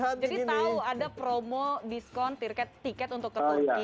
jadi tahu ada promo diskon tiket untuk ke turki